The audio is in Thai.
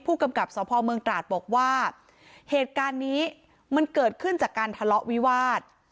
ผู้กำกับสพเมืองตราดบอกว่าเหตุการณ์นี้มันเกิดขึ้นจากการทะเลาะวิวาส